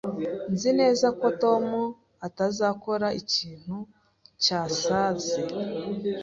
Nzi neza ko Tom atazakora ikintu cyasaze